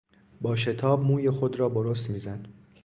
با شتاب موی خود را برس میزد.